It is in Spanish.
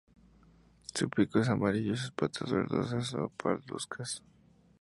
Su pico es amarillo y sus patas verdosas o parduzcas.